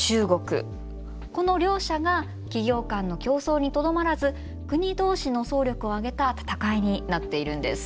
この両者が企業間の競争にとどまらず国同士の総力を挙げた闘いになっているんです。